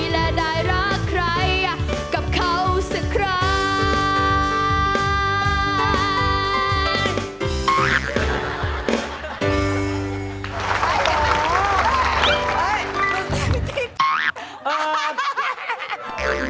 และได้รักใครกับเขาสิครับ